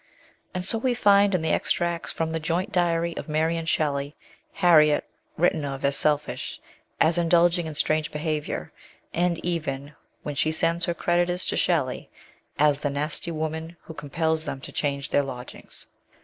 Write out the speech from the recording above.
And so we find, in the extracts from the joint diary of Mary and Shelley, Harriet written of as selfish, as indulging in strange behaviour, and even, when she sends her creditors to Shelley, as the nasty woman who compels them to change their lodgings.